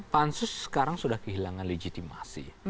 pansus sekarang sudah kehilangan legitimasi